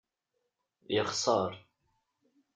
Yexṣeṛ.